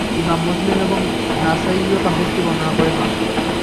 ইমাম মুসলিম এবং নাসাঈও হাদীসটি বর্ণনা করেছেন।